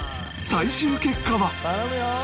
最終結果は